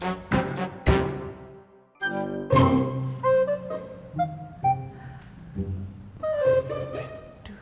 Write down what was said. bu dausah ya bu